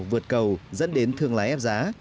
vượt cầu dẫn đến thương lái áp giá